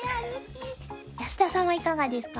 安田さんはいかがですか？